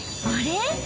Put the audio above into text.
［あれ？